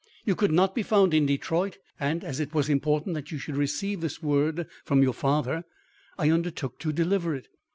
"You could not be found in Detroit and as it was important that you should receive this word from your father, I undertook to deliver it.